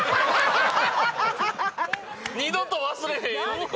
二度と忘れへんように。